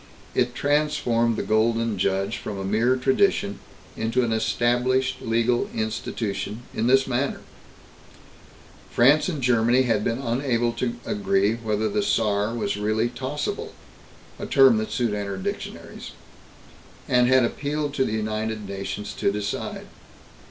It transformed the Golden Judge from a mere tradition into an established legal institution, in this manner: France and Germany had been unable to agree whether the Saar was really tossable a term that soon entered dictionaries and had appealed to the United Nations to decide.